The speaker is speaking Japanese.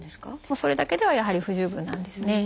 それだけではやはり不十分なんですね。